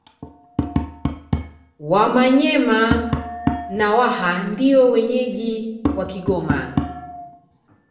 Wamanyema na Waha ndio wenyeji wa Kigoma